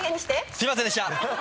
すいませんでした！